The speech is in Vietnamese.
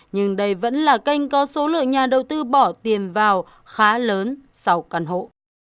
nhưng đây vẫn là kênh có số lượng nhà đầu tư bỏ tiền vào khá lớn sau căn hộ